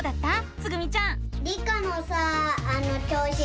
つぐみちゃん。